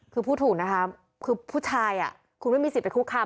คือพูดถูกนะคะคือผู้ชายคุณไม่มีสิทธิไปคุกคาม